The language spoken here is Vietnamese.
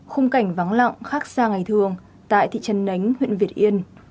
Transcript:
khung cảnh vắng lặng khác xa ngày thường tại thị trấn nánh huyện việt yên